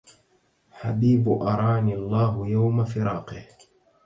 حبيب أراني الله يوم فراقه